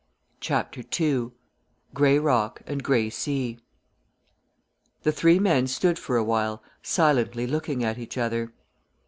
CHAPTER II GREY ROCK AND GREY SEA The three men stood for a while silently looking at each other.